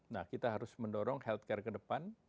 nah kita harus mendorong healthcare ke depan